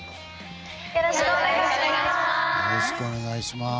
よろしくお願いします！